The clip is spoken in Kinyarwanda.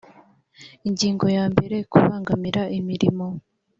ingingo ya mbere kubangamira imirimo